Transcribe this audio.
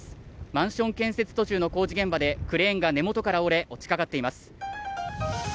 マンション建設途中の工事現場でクレーンが根元から折れ、落ちかかっています。